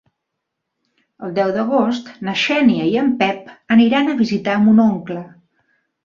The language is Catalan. El deu d'agost na Xènia i en Pep aniran a visitar mon oncle.